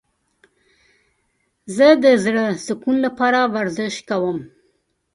زه د زړه د سکون لپاره ورزش کوم.